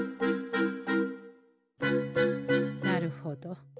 なるほど。